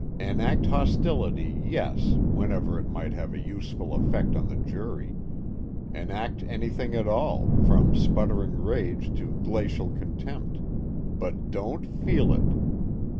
Enact hostility, yes, whenever it might have a useful effect on the jury enact anything at all, from sputtering rage to glacial contempt but don't feel it!